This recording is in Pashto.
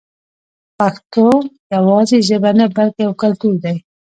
پښتو یوازې ژبه نه بلکې یو کلتور دی.